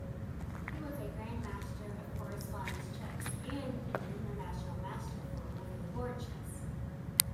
He was a Grandmaster of Correspondence Chess and an International Master for over-the-board chess.